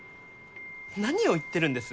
何を言ってるんです？